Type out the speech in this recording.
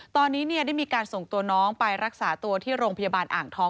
ตอนนี้ได้มีการส่งตัวน้องไปรักษาตัวที่โรงพยาบาลอ่างทอง